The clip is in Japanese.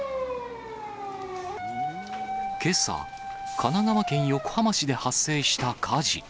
けさ、神奈川県横浜市で発生した火事。